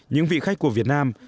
những vị khách của việt nam